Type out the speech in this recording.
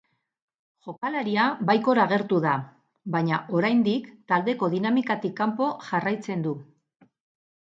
Jokalaria baikor agertu da, baina oraindik taldeko dinamikatik kanpo jarraitzen du.